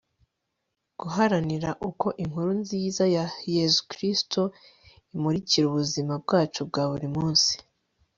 guharanira ko inkuru nziza ya yezu kristu imurikira ubuzima bwacu bwa buri munsi